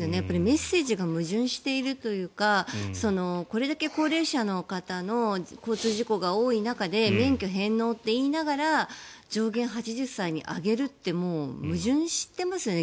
メッセージが矛盾しているというかこれだけ高齢者の方の交通事故が多い中で免許返納って言いながら上限８０歳に上げるってもう矛盾してますよね。